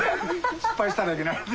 失敗したらいけないので。